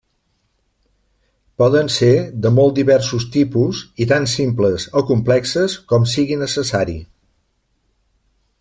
Poden ser de molt diversos tipus i tan simples o complexes com sigui necessari.